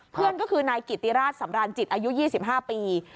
เพื่อนก็คือนายกิติราชสำราญจิตอายุ๒๕ปี